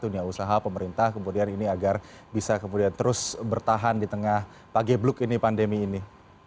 dunia usaha pemerintah kemudian ini agar bisa kemudian terus bertahan di tengah pagebluk ini pandemi ini